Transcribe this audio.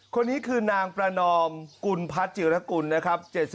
คนนี้คือนางประนอมกุลพัฒนจิรกุลนะครับ